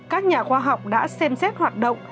các nhà khoa học đã xem xét hoạt động